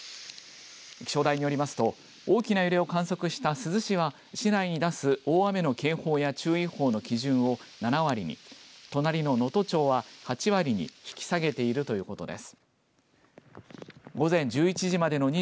気象台によりますと大きな揺れを観測した珠洲市は市内に出す大雨の警報や注意報の基準を７割に隣の能登町は８割に引き下げているということです。